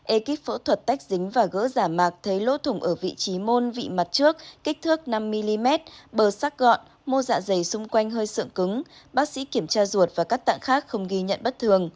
ekip phẫu thuật tách dính và gỡ giả mạc thấy lốt thủng ở vị trí môn vị mặt trước kích thước năm mm bờ sắc gọn mô dạ dày xung quanh hơi sượng cứng bác sĩ kiểm tra ruột và các tạng khác không ghi nhận bất thường